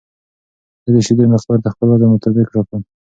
زه د شیدو مقدار د خپل وزن مطابق ټاکم.